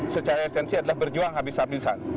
secara esensi adalah berjuang habis habisan